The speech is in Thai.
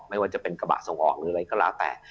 ไม่ว่าจะเป็นกระบะส่งออกหรืออะไรก็แล้วแต่